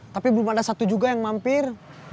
tapi belum ada satu juga yang mampir